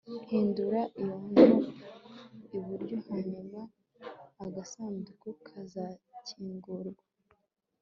Hindura iyo knop iburyo hanyuma agasanduku kazakingurwa